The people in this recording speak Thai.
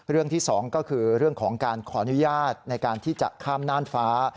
ที่๒ก็คือเรื่องของการขออนุญาตในการที่จะข้ามน่านฟ้า